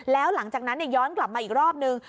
แล้วหลังจากนั้นย้อนกลับมาอีกรอบนึง